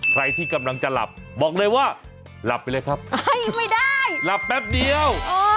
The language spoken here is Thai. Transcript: ใครที่กำลังจะหลับบอกเลยว่าหลับไปเลยครับเฮ้ยไม่ได้หลับแป๊บเดียว